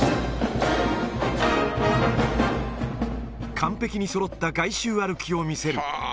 完璧にそろった外周歩きを見せる。